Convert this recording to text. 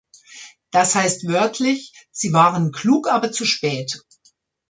Das heißt wörtlich, "sie waren klug, aber zu spät".